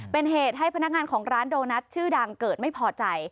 เป็นเหตุให้พนักงานของร้านโดนัทชื่อดังเกิดไม่พอใจ